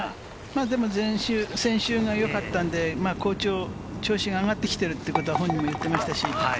でも先週がよかったので、調子が上がってきているということは、本人も言っていました。